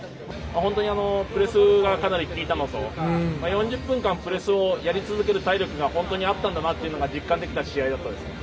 本当にプレスがかなり効いたのと４０分間プレスをやり続ける体力が本当にあったんだなと実感できた試合です。